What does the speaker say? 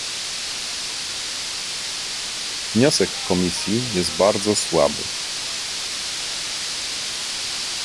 Wniosek Komisji jest bardzo słaby